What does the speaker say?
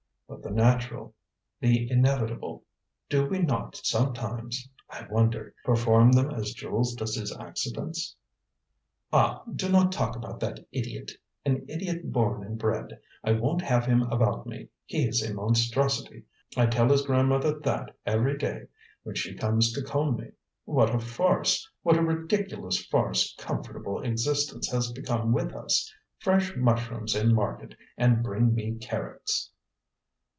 "But the natural the inevitable do we not sometimes, I wonder, perform them as Jules does his accidents?" "Ah, do not talk about that idiot! An idiot born and bred! I won't have him about me! He is a monstrosity! I tell his grandmother that every day when she comes to comb me. What a farce what a ridiculous farce comfortable existence has become with us! Fresh mushrooms in market, and bring me carrots!"